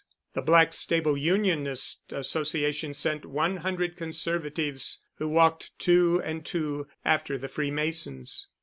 The Blackstable Unionist Association sent one hundred Conservatives, who walked two and two after the Freemasons.